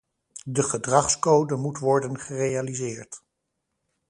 De gedragscode moet worden gerealiseerd.